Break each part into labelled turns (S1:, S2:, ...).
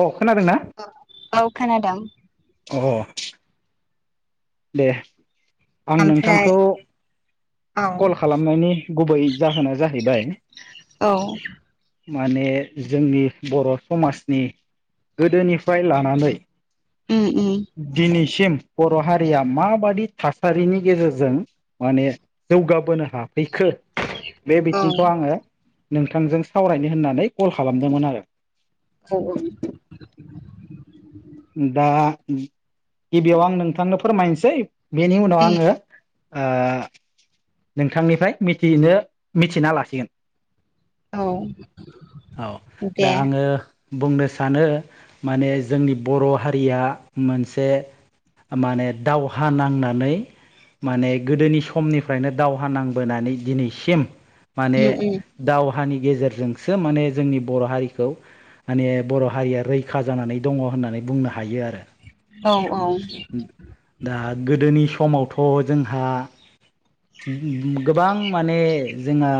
S1: अ खोनादोंना
S2: औ खोनादों।
S1: अ दे आं
S2: ओमफ्राय
S1: नोंथांखौ
S2: औ
S1: कल खालामनायनि गुबै जाहोना जाहैबाय
S2: औ
S1: माने जोंनि बर' समाजनि गोदोनिफ्राय लानानै
S2: उम उम
S1: दिनैसिम बर' हारि हारिया माबादि थासारिनि गेजेरजों माने जौगाबोनो हाफैखो? बे
S2: औ
S1: बिथिंखौ आंङो नोंथांजों सावरायनो होननानै कल खालामदोंमोन आरो
S2: [unintelligible]
S1: दा गिबियाव आं नोंथांनो फोरमायनोसै बेनि उनाव आङो ओ नोंथांनिफ्राय मिथिनो मिथिना लासिगोन
S2: औ
S1: औ दा
S2: दे
S1: आङो बुंनो सानो माने जोंनि बर' हारिया मोनसे माने दावहा नांनानै। माने गोदोनि समनिफ्रायनो दावहा नांबोनानै दिनैसिम। माने
S2: उम उम
S1: दाव हानि गेजेरजोंसो माने जोंनि बर' हारिखौ माने बर' हारिया रैखा जानानै दंङो होननानै। बुंनो हायो
S2: औ औ
S1: आरो दा गोदोनि समावथ' जोंहा गोबां माने जोंहा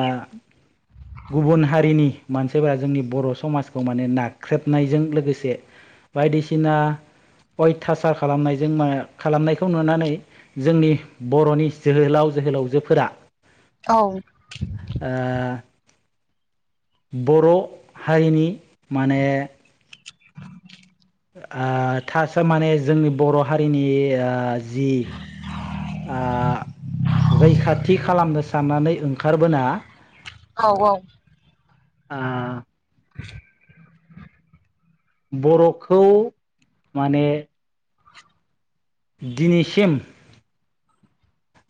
S1: गुबुन हारिनि मानसिफोरा जोंनि बर' समाजखौ माने नाख्रेबनायजों लोगोसे। बायदिसिना अयथासार खालामनायजों खालामनायखौ नुनानै जोंनि बर'नि जोहोलाव। जोहोलावजोफोरा
S2: औ।
S1: ओ बर' हारिनि माने थासो माने जोंनि बर' हारिनि जि रैखाथि खालामनो साननानै ओंखारबोना।
S2: औ औ।
S1: आ
S2: [inaudible]
S1: बर'खौ माने दिनैसिम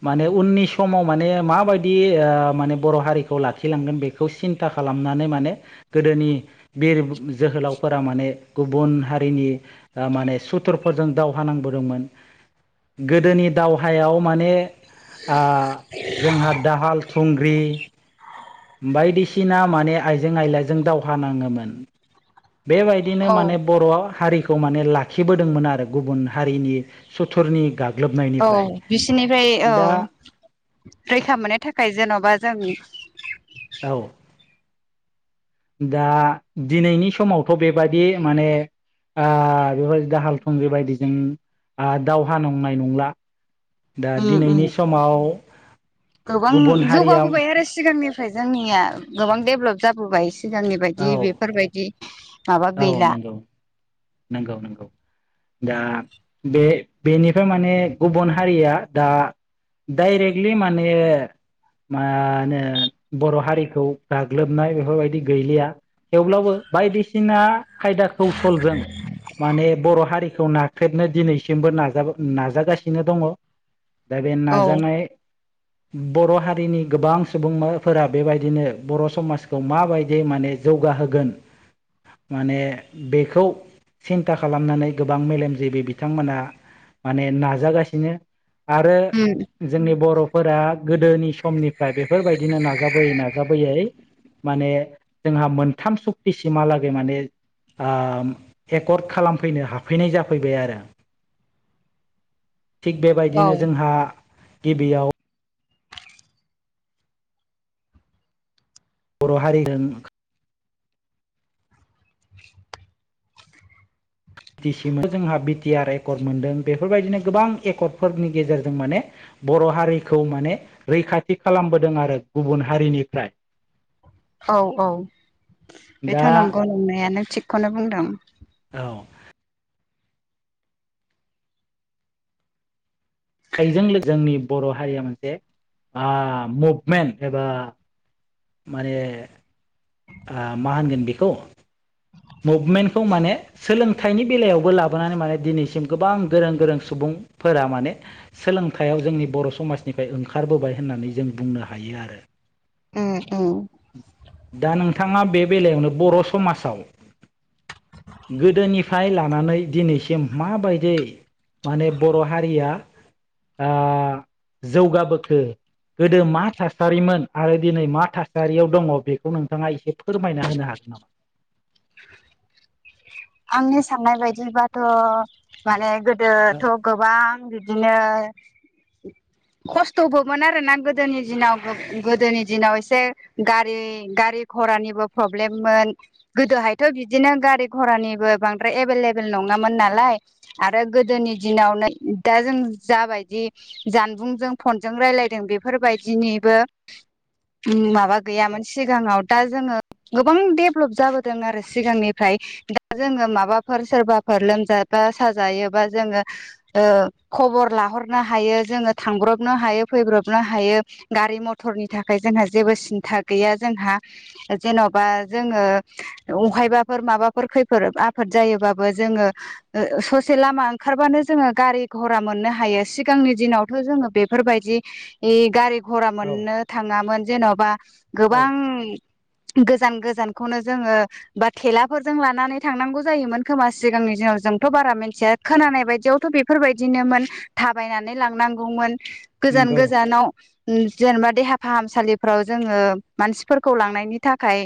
S1: माने उननि समाव माने माबायदि माने बर' हारिखौ लाखिलांगोन बेखौ सिन्था खालामनानै माने गोदोनि बिर जोहोलावफोरा माने गुबुन हारिनि माने सुथुरफोरजों दावहा नांबोदोंमोन गोदोनि दावहायाव माने जोंहा दाहाल थुंग्रि बायदिसिना माने आइजें आइलाजों दावहा नाङोमोन। बेबायदिनो
S2: औ
S1: माने बर' हारिखौ खौ माने लाखिबोदोंमोन आरो गुबुन हारिनि सुथुरनि गाब
S2: औ बिसिनिफ्राय औ रैखा मोननो थाखाय जेन'बा बा जों
S1: औ। दा दिनैनि समावथ' बेबायदि माने। बेफोर दाहाल थुंग्रि बायदिजों दावहा नांनाय नंला। दा
S2: उम
S1: दिनैनि समाव
S2: गोबां
S1: गुबुन हारिया
S2: जौगाबोबाय
S1: औ
S2: आरो सिगांनिफ्राय जोंनिया गोबां डेभलप जाबोबाय सिगांनि बायदि बेफोर बायदि
S1: औ नंगौ नंगौ नंगौ। दा बे बेनिफ्राय माने गुबुन हारिया दा। डाइरेक्टलि माने मा होनो बर' हारिखौ गाग्लोबनाय बेफोरबायदि गैलिया थेवब्लाबो बायदिसिना खायदा कौसलजों माने बर'। हारिखौ नाख्रेदनो दिनैसिमबो नाज नाजागासिनो दङ। दा बे
S2: औ
S1: नाजानाय बर' हारिनि गोबां सुबुंफोरा बेबायदिनो बर' समाजखौ माबायदि माने जौ। जौगाहोगोन माने बेखौ सिन्था खालामनानै गोबां मेलेमजिबि बिथांमोना माने नाजागासिनो आरो।
S2: उम
S1: जोंनि बर'फोरा गोदोनि समनिफ्राय बेफोरबायदिनो नाजाबोयै नाजाबोयै। माने जोंहा मोनथाम सुक्तिसिमालागै माने एकर्ड खालामफैनो हाफैनाय जाफैबाय आरो। थिग
S2: औ
S1: बेबायदिनो जोंहा गिबियाव बर' हारिदोन बि टि सि [inaudible] जोंहा बि टि आर एकर्ड मोनदों बेफोरबायदिनो गोबां एकडफोरनि गेजेरजों माने बर' हारिखौ माने रैखाथि खालामबोदों आरो गुबुन हारिनिफ्राय।
S2: औ औ बेथ'
S1: दा
S2: नंगौ नंनाया नो थिगखौनो बुंदों।
S1: औ। [inaudible] जोंनि बर' हारिया मोनसे आ मभमेन्ट एबा माने आ मा होनगोन बेखौ मुभमेन्टखौ माने सोलोंथाइनि बेलायावबो लाबोनानै माने दिनैसिम गोबां गोरों गोरों सुबुं फोरा माने सोलोंथाइयाव जोंनि बर' समाजनिफाय ओंखारबोबाय होननानै जों बुंनो हायो आरो। [inaudible]
S2: उम उम
S1: दा नोंथाङा बे बेलायावनो बर' समासाव गोदोनिफाय लानानै दिनैसिम माबायदै माने बर' हारिया आ जौगाबोखो गोदो मा थासारिमोन आरो दिनै मा था सारियाव दङ बेखौ नोंथाङा एसे फोरमायना होनो हागोन नामा?
S2: आंनि साननाय बायदिबाथ' माने
S1: नामा?
S2: गोदोथ' गोबां बि दिनो
S1: [inaudible]
S2: खस्थ'बोमोन आरोना गोदोनि दिनाव गोदोनि दिनाव एसे गारि-गारि घरानिबो प्रब्लेममोन गोदोहायथ' बिदिनो गारि घरानि बो बांद्राय एभेलेबल नङामोन नालाय आरो गोदोनि दिनावनो दा जों जाबाय दि जानबुंजों फनजों रायलायदों बेफोरबायदिनिबो माबा गैयामोन सिगाङाव दा जोङो गोबां देभलप जाबोदों आरो सिगांनिफ्राय दा जोङो माबाफोर सोरबाफोर लोमजाबा साजायोबा जोङो ओ खबर ला लारनो हायो जो थांब्रबनो हायो फैब्रबनो हायो गारि मथरनि थाखाय जोंहा जेबो सिनथा गैया जोंहा जेन'बा जोङो अहायबाफोर माबाफोरै खै फोर आफाद जायोबाबो जोङो ओ ससे लामा ओंखारबानो जोङो गारि घरा मोननो हाय यो सिगांनि दिनावथ' जोङो बेफोरबायदि इ गारि गरा
S1: औ
S2: मोननो थाङामोन जेन'बा
S1: औ
S2: गोबां गोजान गोजानखौनो जोङो बा थेलाफोरजों लानानै थांनांगौ जायोमोन खोमा सिगांनि दिनाव जोंथ' बारा मोनथिया खोनानाय बायदियावथ' बेफोरबायदिनोमोन। थाबायनानै लांनांगौमोन गोजान
S1: नंगौ
S2: गोजानाव उम जेनेबा देहा फाहामसालिफोराव जोङो मानसिफोरखौ लांनायनि थाखाय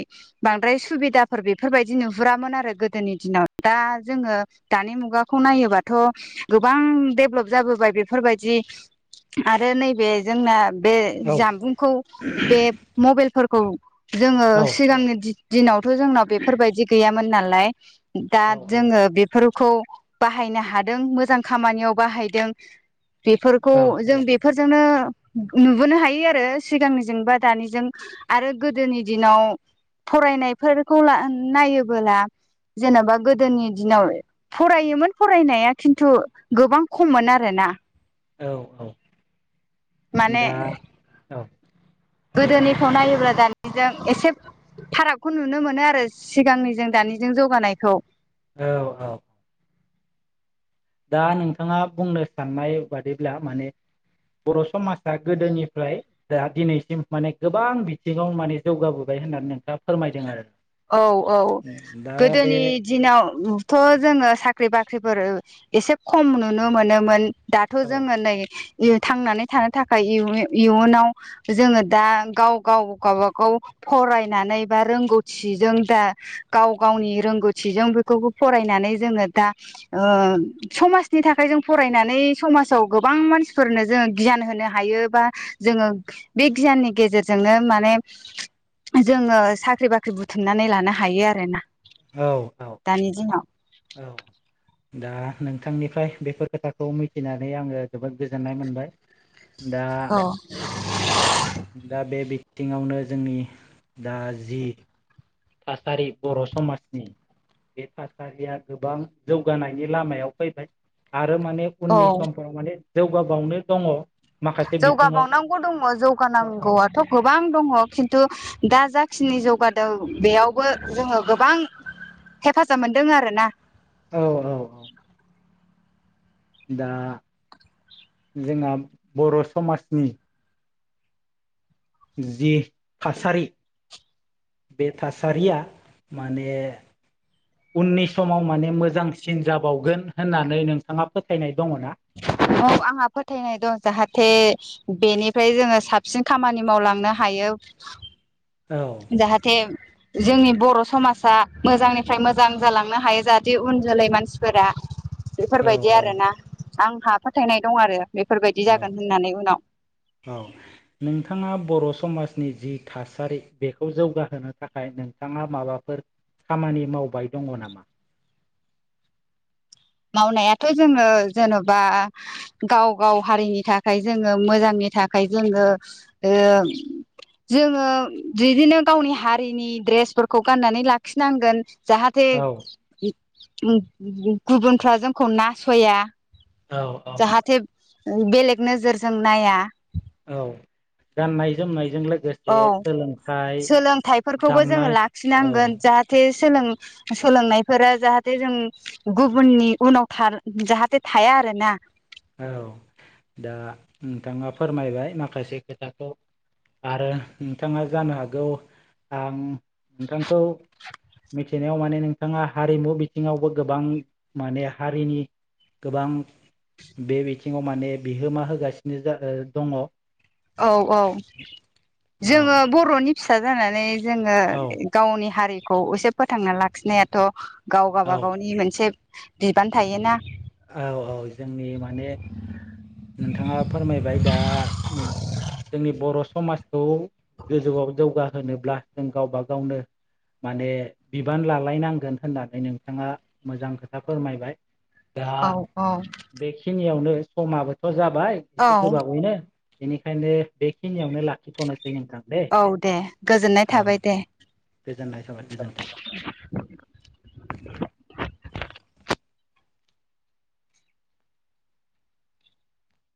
S2: बांद्राय सु सुबिदाफोर बेफोरबायदि नुहुरामोन आरो गोद दोनि दिनाव दा जोङो दानि मुगाखौ नायोबाथ' गोबां देभलप जाबोबाय बेफोरबायदि आरो नैबे जोंना बे
S1: औ
S2: जामबुंखौ बे मबेलफोरखौ जोङो
S1: औ
S2: सिगांनि दि दिनावथ' जोंनाव बेफोरबायदि गैयामोन नालाय दा
S1: औ
S2: जोङो बेफोर खौ बाहायनो हादों मोजां खामानियाव बाहायदों। बेफोरखौ
S1: औ
S2: जों बेफोरजोंनो नुबोनो हायो आरो सिगांनिजों बा दानिजों आरो गोदोनि दिनाव फरायनायफोरखौ ला नायोबोला जेन'बा गोदोनि दिनाव फरायोमोन फरायनाया खिन्थु गोबां खममोन आरोना।
S1: औ-औ।
S2: माने
S1: औ। दे बुंलाय
S2: गोदोनिखौ नायोब्ला दान निजों एसे फारागखौ नुनो मोनो आरो सिगांनिजों दानिजों जौगानायखौ।
S1: औ औ दा नोंथाङा बुंनो साननाय बादिब्ला माने बर' समाजा गोदोनिफ्राय दा दिनैसिम माने गोबां बिथिङाव माने जौगाबोबाय होननानै नोंथाङा फोरमायदों आरो
S2: औ औ
S1: दा बे
S2: गोदोनि दिनावथ' जोङो साख्रि बाख्रिफोर एसे खम नुनो मोनोमोन दाथ'
S1: औ
S2: जोङो नै थांनानै थानो थाखाय इयुनाव जोङो दा गाव गाव गावबा गाव फरायनानै बा रोंगौ थिजों दा गाव गावनि रोंगौथिजों बेखौबो फरायनानै जोङो दा ओ ओन समाजनि थाखाय जों फरायनानै समाजाव गोबां मानसिफोरनो जों गियान होनो हायो बा बा जोङो बे गियाननि गेजेरजोंनो माने जोङो साख्रि बा ख्रि बुथुमनानै लानो हायो आरोना
S1: औ औ
S2: दानि दिनाव
S1: औ दा नोंथांनिफ्राय बेफोर खोथाखौ मिथिनानै आङो जोबोद गोजोननाय मोनबाय दा
S2: औ
S1: दा बे बि थिङावनो जोंनि दा जि थासारि बर' समाजनि बे थासारिया गोबां जौगानायनि लामायाव फैबाय आ रो माने उननि
S2: औ
S1: समफोराव माने जौगाबावनो दङ माखासे बिथिङाव
S2: जौगाबावनांगौ दङ
S1: औ औ
S2: जौगानांगौआथ' गोबां दङ खि थु दा जाखिनि जौगादों बेयावबो जोङो गोबां हेफाजाब मोनदों आरोना
S1: औ औ औ दा जोंहा बर' समाजनि जि थासारि बे थासारिया माने उननि समाव माने मोजांसिन जाबावगोन होननानै नोंथाङा फोथायनाय दङ ना? [inaudible]
S2: औ आंहा फोथायनाय दं जाहाथे बेनिफ्राय जोङो साबसिन खामानि मावलांनो हायो [unintelligible]
S1: औ
S2: जाहाथे जोंनि बर' समाजा मोजांनिफ्राय मोजां जालांनो हायो जाहाथे उन जोलै मानसिफोरा
S1: औ
S2: बेफोरबायदि आरोना आंहा फोथायनाय दं आरो बेफोरबायदि जागोन होननानै उनाव
S1: औ औ नोंथाङा बर' समाज नि जि थासारि बेखौ जौगाहोनो थाखाय नोंथाङा माबाफोर खामानि मावबाय दङ नामा?
S2: मावनायाथ' जोङो जेन'बा गाव गाव हारिनि थाखाय जोङो मोजांनि था खाय जोङो ओ जोङो बिदिनो गावनि हारिनि ड्रेसफोरखौ गाननानै लाखिनांगोन जाहाथे
S1: औ
S2: गुबुनफ्रा जोंखौ नासया
S1: औ औ
S2: जाहाथे बेलेग नोजोरजों नाया
S1: औ गाननाय जोमनाय
S2: औ सोलोंथाइफोरखौबो जोङो
S1: दामनाय औ
S2: लाखिनांगोन जाहाथे सोलों सोलोंनायफोरा जाहाथे जों गुबुननि उनाव थार जाहाथे थाया आरो ना
S1: औ दा नोंथाङा फोरमायबाय माखासे खोथाखौ आरो नोंथाङा जानो हागौ आं नोंथांखौ मिथिनायाव माने नोंथाङा हारिमु बिथिङावबो गोबां माने हारिनि गोबां बे बिथिङाव माने बिहोमा होगासिनो जा ओ दङ
S2: औ औ
S1: औ
S2: जोङो बर'नि फिसा जानानै जोङो
S1: औ
S2: गावनि हारिखौ एसे फोथांना लाखिनायाथ' गाव
S1: औ
S2: गाबागावनि मोनसे बिबान थायोना।
S1: औ औ जोंनि माने नोंथाङा फोरमायबाय दा उम जोंनि बर' समाजखौ गोजौआव जौगाहोनोब्ला जों गावबा गावनो माने बिबान लालायनांगोन होननानै नोंथाङा मोजां खोथा फोरमायबाय। दा
S2: औ औ
S1: बेखिनियावनो समाबोथ' जाबाय
S2: औ
S1: एसे गोबावैनो बेनिखायनो बेखिनियावनो लाखिथ'नो
S2: औ दे गोजोननाय थाबाय दे।
S1: गोजोननाय थाबाय गोजोन्थों।